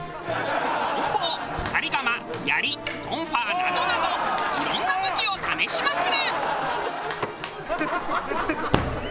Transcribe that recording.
こん棒鎖鎌やりトンファーなどなど色んな武器を試しまくる！